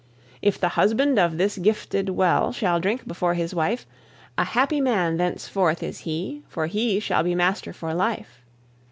"If the husband of this gifted well Shall drink before his wife, A happy man thenceforth is he, For he shall be master for life.